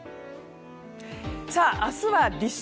明日は立春。